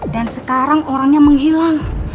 dan sekarang orangnya menghilang